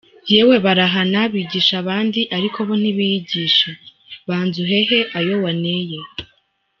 Yewe barahana bigisha abandi ariko bo ntibiyigisha, banza uhehe ayo waneye….